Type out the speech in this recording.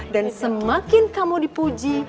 dan semakin kamu dipuji